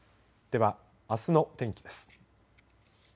では、あすの天気です。